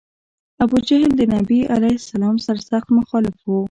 ابوجهل د نبي علیه السلام سر سخت مخالف و.